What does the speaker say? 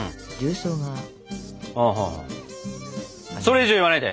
はあはあそれ以上言わないで！